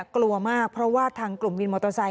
กลัวมากเพราะว่าทางกลุ่มวินมอเตอร์ไซค